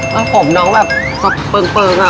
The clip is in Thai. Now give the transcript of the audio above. ชอบโปร่งนะ